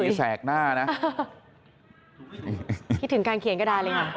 มีแสกหน้านะคิดถึงการเขียนกระดานเลยค่ะ